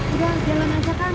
udah jalan aja kan